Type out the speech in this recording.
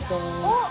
あっ！